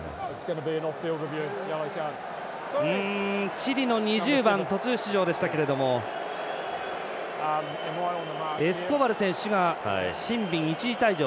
チリの２０番途中出場でしたけれどもエスコバル選手がシンビン、一時退場。